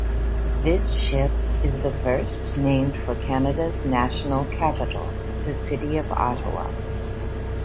This ship is the first named for Canada's national capital, the City of Ottawa.